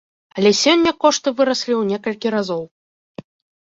Але сёння кошты выраслі ў некалькі разоў.